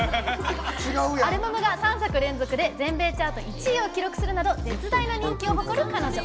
アルバムが３作連続で全米チャート１位を記録するなど絶大な人気を誇る彼女。